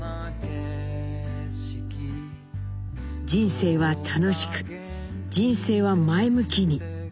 「人生は楽しく人生は前向きに」。